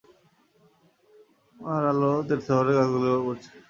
তার আলো তেরছাভাবে গাছগুলির উপর পড়েছে।